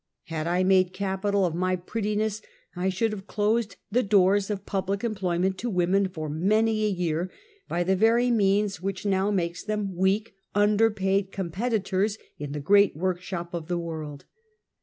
Had I made capital of my prettiness, I should have closed the doors of public employment to women for many a year, by the very means which now makes them weak, underpaid competitors in the great work shop of the world.